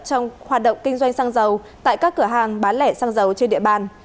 trong hoạt động kinh doanh xăng dầu tại các cửa hàng bán lẻ xăng dầu trên địa bàn